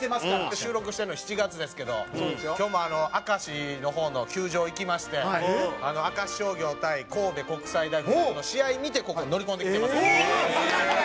収録してるの７月ですけど今日も明石の方の球場行きまして明石商業対神戸国際大学附属の試合見てここに乗り込んできてますから。